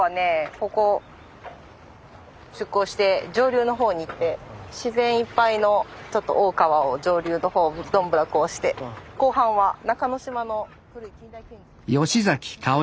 ここを出航して上流の方に行って自然いっぱいのちょっと大川を上流の方をどんぶらこして後半は中之島の。